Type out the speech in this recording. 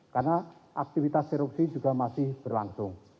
karena aktivitas erupsi juga masih berlangsung